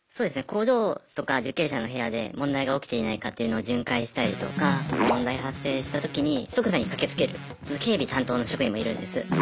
工場とか受刑者の部屋で問題が起きていないかっていうのを巡回したりとか問題発生したときに即座に駆けつける警備担当の職員もいるんです。